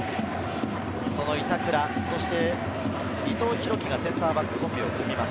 板倉、そして伊藤洋輝がセンターバックを組みます。